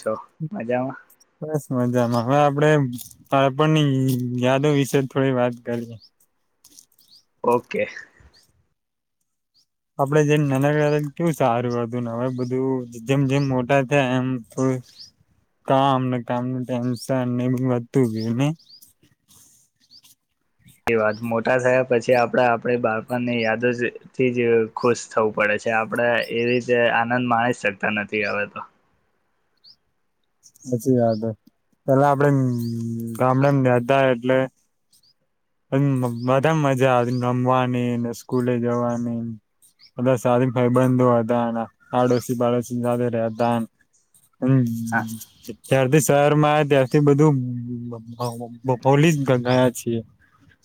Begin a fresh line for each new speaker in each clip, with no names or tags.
છો મજામાં.
બસ મજામાં હવે આપડે પાળપણની યાદો વિશે થોડી વાત કરીએ.
ઓકે.
આપડે જેમ નાનાકારા કેવું સારું કરતું ને હવે બધું જેમ જેમ મોટા. એમ તો. કામ ને કામનું ટેન્શન ને વધતું ગયું ને.
એ વાત મોટા થયા પછી આપણે આપણે બાળપણની યાદોથી જ ખુશ થવું પડે છે આપણે એવી રીતે આનંદ માણી શકતા નથી હવે તો.
સાચી યાદ પેલા આપડે ગામડાેને દ્યાતાા એટલે. પણ બધા મજા આવીને રમવાની ને સ્કૂલે જવાનીબધા ભાઈબંધો હતા. પાડોશી પાડોશી સાથે રહેતા ને.. હમ,
હા
ચાર દસ. [unintelligible] [unintelligible] [inaudible] [inaudible]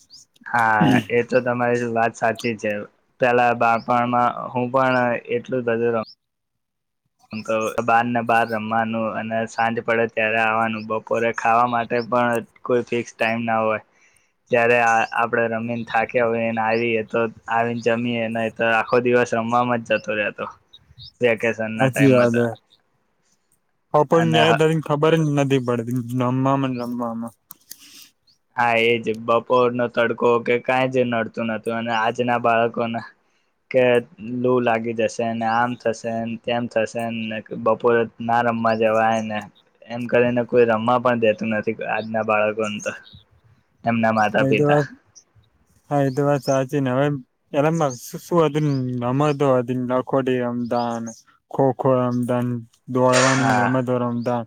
હા, એ તો તમારી વાત. સાચી છે. પેહલા બાળપણમાં હું પણ એટલું જ બધું રમ. તો બારને બાર રમવાનું અને સાંજ પડે. ત્યારે આવવાનું બપોરે ખાવા માટે પણ કોઈ ફિક્સ ટાઈમ ના હોય. જ્યારે આપણેે રમીને થાક્યા હોયને આવીએ. તો આવીને જમીએ ન તો આખો દિવસ રમવાવામાં જ જતો રહેતો.. [unintelligible] અને
[unintelligible] [unintelligible]
હા, એ જ બપોરનો તડકો કે કઈ જ નડતું નતું. અને આજના બાળકોને કે લૂ લાગી જશે. આમ થશે, તેમ થશેને બપોરે ના રમવા જવાયને. એમ કરીને કોઈ રમવા પણ દેતું નથી આજના બાળકોને તો. એમના
એ,
માતા પિતા
વાર હા, એ વાત સાચી નવે પહેલા શું હતું, રમતો હતીનખોટી રમતા અને ખોખો રમતા અન [unintelligible] દોડવાની
હા
રમતો રમતા.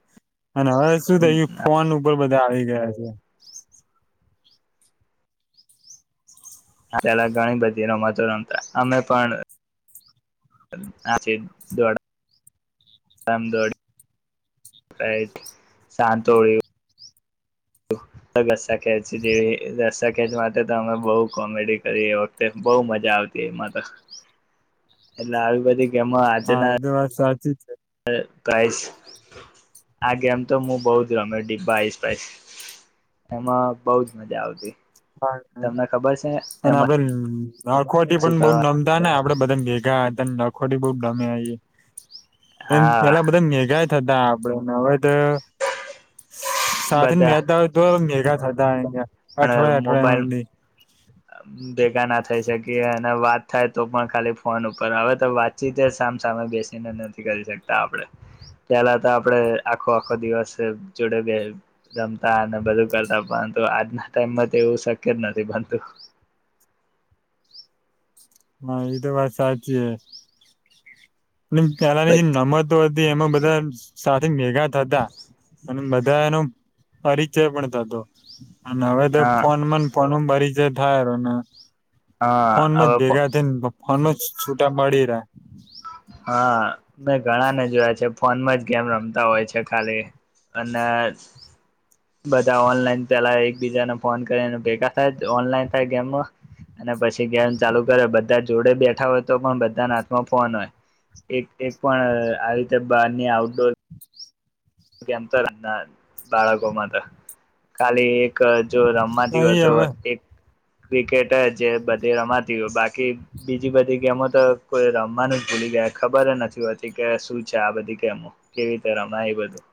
અને હવે શું થઈ ગયું ફોન ઉપ ઉપર બધા આવી ગયા છે
ત્યારે ઘણી બધી રમતો રમતા, અમે પણ [inaudible] ધમ દોડી, સાંતોળિયુ રસ્સા ખેચ જેવી, રસા ખેચ માટે તો અમે બહ કોમેડી કરી, એ વખતે બહુ મજા આવતી, એમાં તો એટલે આવી બધી ગેમો
હા,
આજના
એ તો વાત સા ચી છે [inaudible]
[unintelligible] આ, ગેમ તો મુ બહુ જ રમ્યો ડિબ્બા આઈસપાઈસ, એમાં બઉજ મજા આવતી તમને ખબર છે એમાં
[unintelligible] નખોટી
શું
પણ બઉ
કરવા
રમતા ને આપડે બધાને ભેગા તને નખોડી બહુ ગમે આવી એમ
હા
પેલા બધા ન મેગા જ [unintelligible] થતા આપણે, હવે
બધા
[unintelligible] [unintelligible]
પણ મોબાઈલ
[unintelligible]
ભેગા ના થઈ શકી, અને વાત થાય તો પણ ખાલી ફોન ઉપર, હવે તો વાતચીત સામ સામે બેસીને નથી કરી શકતા આપણે, પેહલા તો આપડે આખો આખો દિવસ જોડે બે રમતા અને બધું કરતા, પણ, આજના ટાઈમમાં એવું શક્ય જ નથી બનતું
હા, એ તો વાત સાચી હ અને પહેલાની જે રમતો હતી, એમાં બધા બધા સાથે મેગા થતા અને બધા એનો પરિચય પણ થતો હવે તો
હા
ફોન માં ફોન બરી જે [inaudible] ભાયારો ના
હા, હ
બેગા થઈને ફન છ છુટા મળડીરા
હા મેં ઘણા ને જોયા છે ફોનમાં જ ગેમ રમતા હોય છે ખાલી અને બધા ઓનલાઈન પેલા એકબીજાને ફોન કરીને ભેગા થાય ઓનલાઈન થાય ગેમમાં અને પછી ગેમ ચાલુ કરે બધા જોડે બેઠા હોય તો પણ બધાને હાથમાં ફોન હોય એક એક પણ આવી રીતે બાર ની આઉટડોર કેમ તોમના બાળકોમાં તો ખાલી એક એક જો રમવાતી હોય
નહી
તો
હવે
એક ક્રિકેટ જે બધી રમાતી હોય બાકી બીજી બધી ગેમો તો કોઈ રમવાનું ભૂલી ગયા ખબર નથી હોતી કે શું છે આ બધી ગેમો કેવી રીતે રમાય એ બધું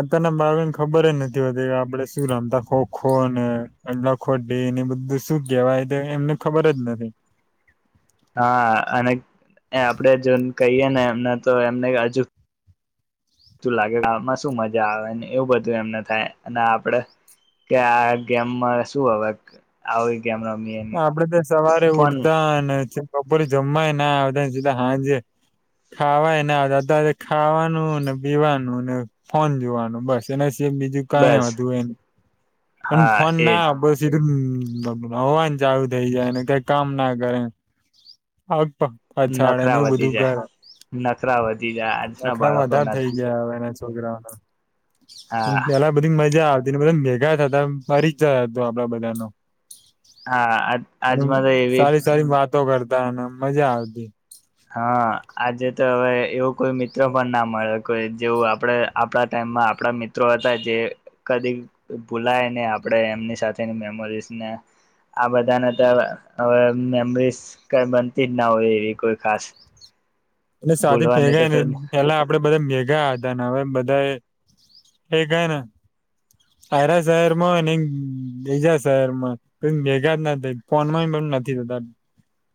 અતારના બાળકો ખબર જ નથી હોતી આપડે શું રમતા ખોખોને અ લાખોડી એ બધું શું કેવાય, તો એમને ખબર જ નથી
હા, અને આપડે જઈ ને કહીએ ને એમને તો એમને હજુ લાગે આમાં શું મજા આવે એવું બધું એમને થાય અને આપડે કે આ ગેમમાં શું હવે આવી ગેમ રમીએ
આપડે તો સવારે
ફોન
ઉઠતા અને બપોરે જમવાય ના આવતા સીધા હાંજે ખાવાય ના આવતા અ ખાવાનું ને પીવાનું ને ફોન જોવાનું બસ એને જે બીજું કઈ
બસ
આવતું એને પણ
હા
ફોન
એજ
ના બસ હમ બબ હોવાન ચાલુ થઈ જાય ને કઈ કામ ના કરે. અચ્છા ડ એને
નખરા
એવું
વધી
બધું
જાય
કરે
નખરા વધી જાય આજના
નખરામાં
બાળકો
વધારે
ના
થઈ
થાય
ગયા હવે એને છોકરાઓનો.
હા
પેલા બધી મજા [unintelligible] મેગા તા દમ પરિચય હતો આપડા બધાનો.
હા આ આજમાં તો એ
પણ મજા આવતી.
હા આજે તો હવે એવો કોઈ મિત્રો પણ ના મળે કોઈ જેવું આપડે આપડા ટાઈમમાં આપડા મિત્રો હતા જે કદી ભૂલાય ને આપડે એમની સાથેની મેમરીઝ ને આ બધાને તો હવે મેમરીસ કઈ બનતી જ ના હોય એવી કોઈ. કાસ.
એટલે સ્વાથી ભેગાને પેલા આપડે બધા મેગા. ધા નવે બધા એ ભેગારા તારા શહેરમાં હોય ને બીજા શહેરમાં પણ ભેગા જ ના થઈ ફોનમાં પણ નથી થતા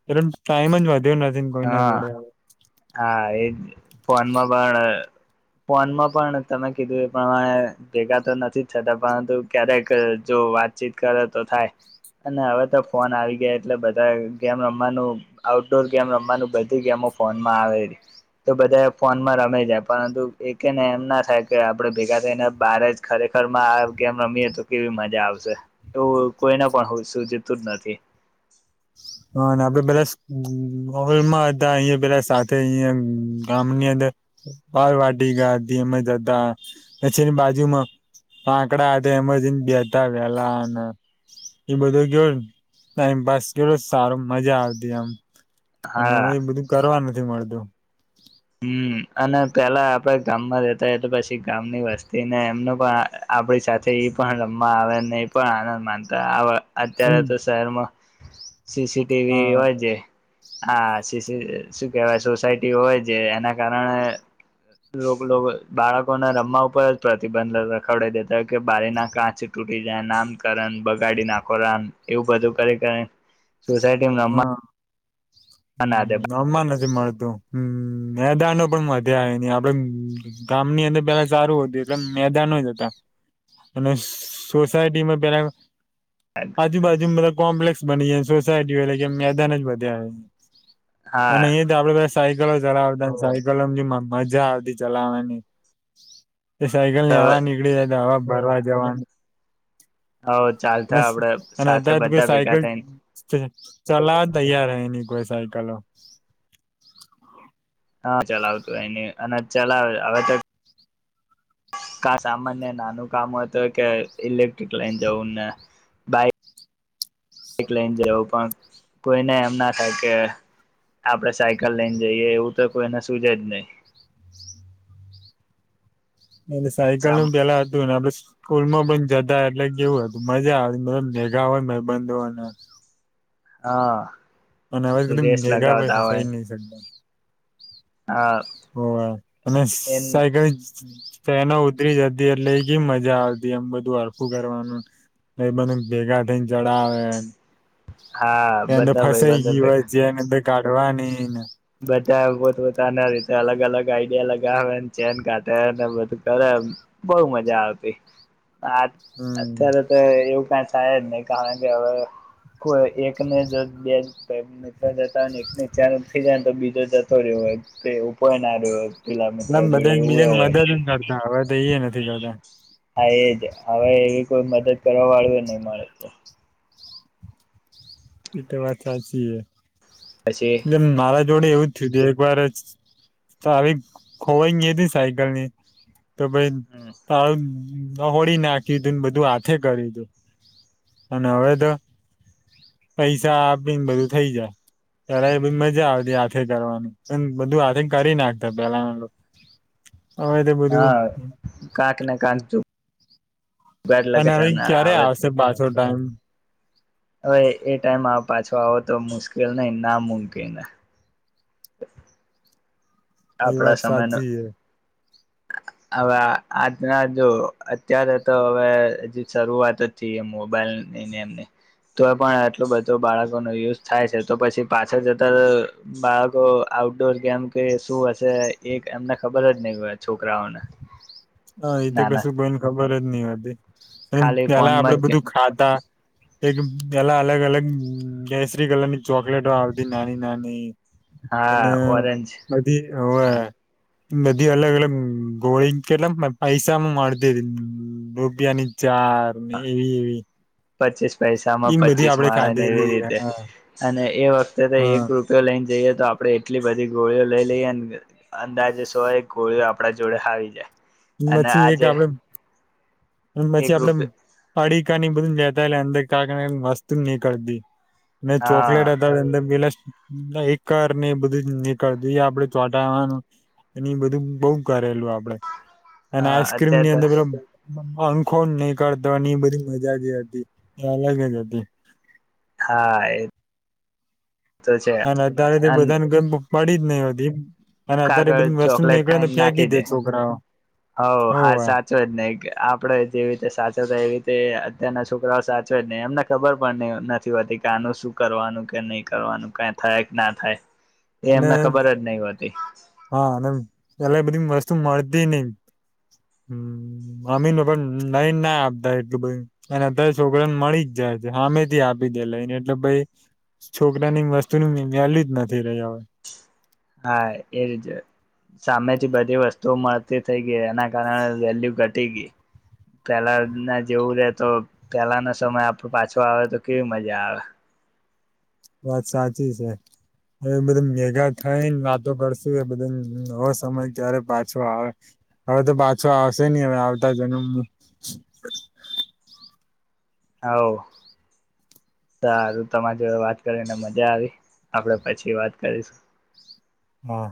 એ ટાઈમ જ વધ્યો ન તીન કોઈના
હા
જોડે હું.
હા એજ ફોનમાં પણ ફોનમાં પણ તમે કીધું એ પ્રમાણે ભેગા તો નથી જ થતા પરંતુ ક્યારેક જો વાતચીત કરે તો થાય અને હવે તો ફોન આવી ગયા એટલે બધા ગેમ રમવાનું આઉટડોર ગેમ રમવાનું બધી ગેમો ફો માં આવે તો બધા એ ફોનમાં રમે જાય પરંતુ એને એમ ના થાય કે આપડે ભેગા થઈને બાર જ ખરેખર આ ગેમ રમીએ તો કેવી મજા આવશે એવું કોઈને પણ સુજતુ જ નથી.
હ આપે બધા ઓવેમાં હતા અયા બધા સાથે અયા ગામની અંદર બાર વાટી ગયા હતી એમ જ હતા પછીની બાજુમાં આકડા હતા એમને બેતા વેલા અને એ બધો કે ટાઈમપાસ કે સારું મજા આવતી એમ. અને
હા
હવે એ બધું કરવાનું. મળતું.
હમ અને પેલા આપડે ગામમાં રહેેતા એતો પછી ગામની વસ્તીને એમનો પણ આપડી સાથે પણ રમવા આવેને એ પણ આનંદ માનતા આવ અત્યારે તો શહેરમાં સીસીટીવી
હા
હોય છે હા. શી શી શું કેવાય સોસાયટી હોય. જે એના કારણે લોક લોક બાળકોમાં રમવા ઉપર જ પ્રતિબંધ લખાડી દેતા કે બારી ના કાચ તૂટી જાય નામકરેને બગાડી નાખોરાન એવું બધું કરી કઈ. સુસાયટી રમવા ના દે
હમ નમા નથી મળ તો હમ મેદાનો પણ વધ્યા અયની આપડે ગામની અંદર પેલા સારું હતું એટલે મેદાનો જ હતા અને સોસાયટીમાં પેલા આજુ બાજુ મેરા. કોમ્પ્લેસ બની ગયા સોસાય એટલે કે મેદાન જ વધ્યા.
હા
અને એ જ આપડે. સાયકલો ચલાવતા સાયકલો જે મજા આવતી ચલાવાની. એ સાયકલ ની હવા નીકળી જાય તો હવા ભરવા જવાનું
ચાલતા આપડે
અને
સાથે
અધાધ કોઈ
બધા ભેગા
સાયકલ
થઈને
ચલાવ તૈયાર હ ન કોઈ સાયકલો
હા ચલાવતું હો ન અને ચલાવે હવે તો કા સામાન્ય નાનું કામ હતું કે ઇલેક્ટ્રિક લઈને જવું ને બાઈકક લઈને જવું પણ કોઈને એમ ના થાય કે આપણેે સાયકલ લઈને જઈએ એવું તો કોઈને સુુંજ જ નહી
એલે સાયકલ નું બેેલા હતુંને આપ સ્કૂલમાં પણ જતા એટલે કેવું હતું મજા આવે મ મેેગા હોય મેબંધો અને
હા
અને હવાજ એકમ
રેસ
ભેગા ભછ
લગાવતા હોય
હસાઈ નહી શકતા
હા
ઓ અને
એમ
સાયકલ ફેનો ઉતરી જતી એટલે એ કે મજા આવતી એમ બધું અડખું કરવાનું એ બધ ભેગા થઈ જડાવે
હા
એંદ
બધા
ફસાઈ
ભાઈબંધો
ગય હોય
ભેગા
જેને કાઢવાની ને
બધા પોત પોતાના રીતે અલગ અલગ આઈડિયા લગાવેને ચેન કાઢેને બધું કરે બહ મજા આવતી
હમ
અત્યારે તો એવુ થાય જ નહી કારણ કે હવે એકને જો બે જતા એક ચાર જને તો બીજો જતો રહ્યો હોય તે ઉપર ના રહ્યો હોય પેલા
એ
મિત્ર જોડે
બધાને
એવું એ
બીજાને મદદ
હોય
કરતા હવે તો નથી કરતા
હા એજ હવે એવી કોઈ મદદ કરવા વાળુ નહી મળે તો
એટ વાત સા
પછી
છીએ એ મારા જોડે એવું ધી એક વાર ચાવ ખોવાઈ ગ હતી સાયકલ ની તો ભાઈ ત હોળી નાખી તું ને બધું હાથે કરી તું અને હવે તો પૈસા આપી ને બધું થઇ જાય પેલા બ મજા આવતી હાથે કરવાની પણ બધું હાથે કરી નાખતા પેલા
હા કાક ને કાક જો
અને હવે ક્યારે
હવે
આવશે પાછો ટાઈમ
હવે એ ટાઈમ પાછો આવો તો મુશ્કેલ નહી ના મૂકીને [inaudible]
એ
આપડા
વાત
સમય ન
સાચી છે.
હવે આજના જો અત્યારે તો હવે હજી શરૂઆત થ એ મોબાઈલનીમ તો પણ આટલું બધું બાળકો ન યુઝ થાય છે તો પછી પાછા જતા બાળકો આઉટડોર ગેમ કે શું હશે એક એમને ખબર જ નહી છોકરાઓને
હ એ તો
નાના
કશું કોઈને ખબર જ નહ હોતી અને
ખાલી
પેલા આપડે
ફોનમાં જ
બધું ખાતા એક પેલા અલગ-અલગ ગસરી કલરની ચોકલેટો આવતી નાની નાની
હા
અને
ઓરેનજ
બધી હવે એ બધ અલગ-અલગ ગોળિંગ કેટલા પૈસામાં મળતી રૂપિયાની. ચાર ને એવી એવી.
પચીસ પૈસામાં
એમ બધી
પચીસ
આપડે
માળા ને એવી
ખાધેલી
રીતે અને. એવ
હા
એક રૂપયો લઈને જઈએ. તો આપડે એટલી બધી ગોળીઓ લઈ લઈએ અંદાજે સો એ ગોળીઓ આપડા જોડે આવી જાય. અને
પછી એક
આજે
આપડે.
એક
પછી આપડે
રૂપ
પાડી કાની બધું જ અંદર ક વસ્તુ ની કળતી. મે ચોકલેટ
હા
હતા એ પેલા એકર ને બધું જ નીકળું આપડે ચોંટાવાનું એ બધું બઉ કરેલું આપડે. અને
હા
આઈસ્ક્રીમ
અત્યારે
ની
તો
અંદર પે આંખો નહકળતાની બધી મજા જ હતી અલગ જ હતી.
હા એ. તો છે
અને અત્યારે તે બધાને ગ પડદ નેવ દીપ અને અત્યારે
કાગળ
બધી વસ્તુ નીકળે ને ફેંકી દે છોકરાઓ.
હ હા
હોવે
સાચો જ ને આપડે જેવી રીતે સાચવતા એ રીતે અત્યાર છોકરાઓ સાચ જ નહી એમને ખબર પણ નથી હોતી કે આનું શું કરવાનું કે નહી કરવાનું કઈ થાય કે ના થાય. એ
અને
એમને ખબર જ નહ હોતી.
એટલે બધી વસ્તુ મળતી નઈ હ અમી પણ લઈને ના આપતા એટલું બધ અને અત્યારે છોકરા ને મળી જ જાય છે હમેથી આપી દે લઈને એટલે ભઈ છોકરા ની વસ્તુ ન વલુ જ નથી રહ્યા હો. હ
હા એ સામેથી બધી વસ્તુઓ મળતી થઈ ગઈ એના કારણે વેલ્યુ ઘટી ગઈ, પેલા ના જેવું રે તો પેલાનો સમય આપ પાછો આવે તો કેવી મજા આવે.
વાત સાચી છે, હવે બધા ભેગા થઈને વાતો કરશું બધ નવો સમય ક્યારે પાછો આવે હવે તો પાછો આવશે નહ હવે આવતા જન્મ
હ સારું તમારી જોડ વાત કરીને મજા આવી આપડે પછી વાત કરીશું.
હા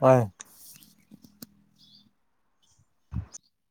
હો.
[unintelligible]